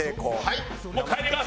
もう帰ります！